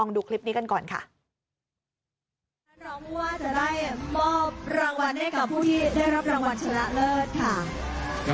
ได้รับรางวัลชนะเลิศค่ะ